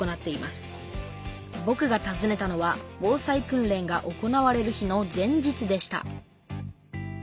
ぼくがたずねたのは防災訓練が行われる日の前日でした。